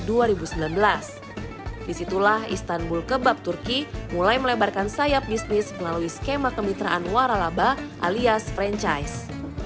disitulah istanbul kebab turki mulai melebarkan sayap bisnis melalui skema kemitraan waralaba alias franchise